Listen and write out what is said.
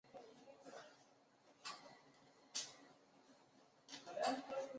青藏黄耆为豆科黄芪属的植物。